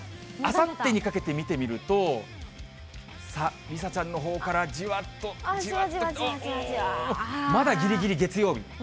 あさってにかけて見てみると、梨紗ちゃんのほうからじわっと、じわっと来て、まだぎりぎり月曜日。